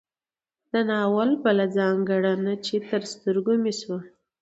د ناول بله ځانګړنه چې تر سترګو مې شوه